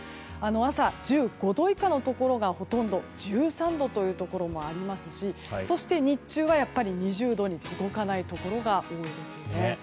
朝１５度以下のところがほとんど１３度というところもありますしそして、日中は２０度に届かないところが多いですね。